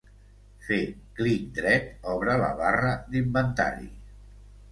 Fer clic dret obre la barra d'inventari.